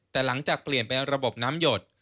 แต่หลังจากเปลี่ยนไประบบน้ำหยด